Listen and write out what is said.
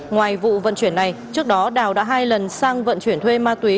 ngoài vụ vận chuyển này trước đó đào đã hai lần sang vận chuyển thuê ma túy